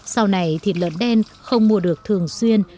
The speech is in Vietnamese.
sau này thịt lợn đen không mua được thường xuyên